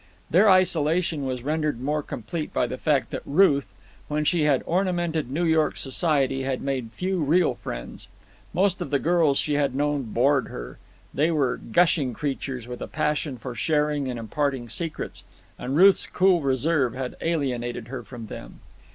Their isolation was rendered more complete by the fact that Ruth, when she had ornamented New York society, had made few real friends. Most of the girls she had known bored her. They were gushing creatures with a passion for sharing and imparting secrets, and Ruth's cool reserve had alienated her from them.